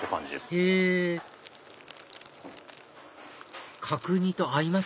へぇ角煮と合います？